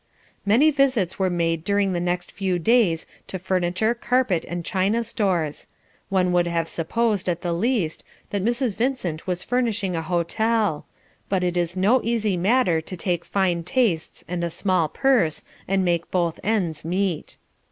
Many visits were made during the next few days to furniture, carpet, and china stores. One would have supposed, at the least, that Mrs. Vincent was furnishing a hotel; but it is no easy matter to take fine tastes and a small purse, and make both ends meet.